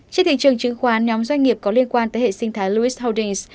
trên thị trường chứng khoán nhóm doanh nghiệp có liên quan tới hệ sinh thái louis holdings